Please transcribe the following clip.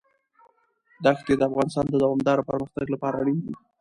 دښتې د افغانستان د دوامداره پرمختګ لپاره اړین دي.